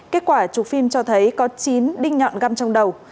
kết quả chụp phim cho thấy có chín đinh nhọn găm trong đầu